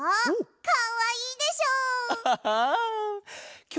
かわいいでしょ。